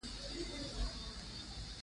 محمد قاسم فرشته لومړی تاریخ لیکونکی دﺉ.